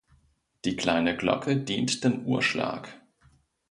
Die kleine Glocke dient dem Uhrschlag.